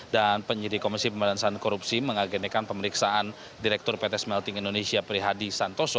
dan penyidik komisi pembalasan korupsi mengagenekan pemeriksaan direktur pt smelting indonesia prihadi santoso